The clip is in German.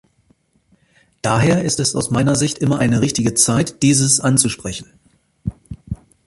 Daher ist es aus meiner Sicht immer eine richtige Zeit, dieses anzusprechen.